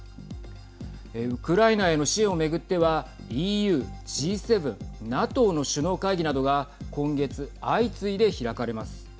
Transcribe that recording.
ウクライナへの支援を巡ってはＥＵ、Ｇ７ＮＡＴＯの首脳会議などが今月、相次いで開かれます。